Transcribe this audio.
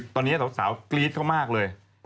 ตอนนี้เหล่าสาวสาวกรี๊ดเขามากเลย